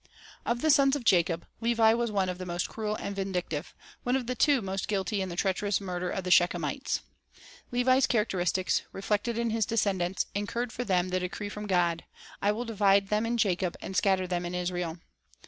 Of the sons of Jacob, Levi was one of the most The Lerites cruel and vindictive, one of the two most guilty in the treacherous murder of the Shechemites. Levi's charac teristics, reflected in his descendants, incurred for them the decree from God, "I will divide them in Jacob, and scatter them in Israel."